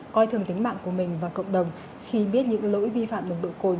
coi thường tính mạng của mình và cộng đồng khi biết những lỗi vi phạm nồng độ cồn